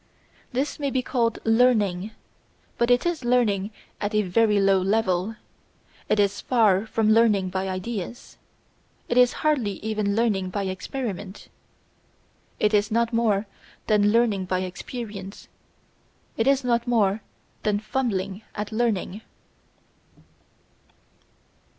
This may be called learning, but it is learning at a very low level; it is far from learning by ideas; it is hardly even learning by experiment; it is not more than learning by experience, it is not more than fumbling at learning!